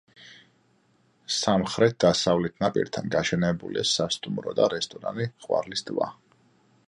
სამხრეთ-დასავლეთ ნაპირთან გაშენებულია სასტუმრო და რესტორანი „ყვარლის ტბა“.